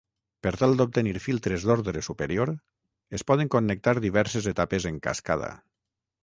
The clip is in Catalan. Per tal d'obtenir filtres d'ordre superior es poden connectar diverses etapes en cascada.